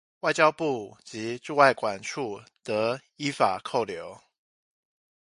外交部及駐外館處得依法扣留